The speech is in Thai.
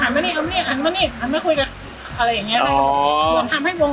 ทันแล้วมาคุยกันอะไรแบบเอง